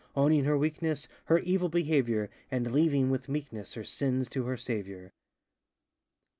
Owning her weakness, Her evil behavior, And leaving, with meekness, Her sins to her Saviour!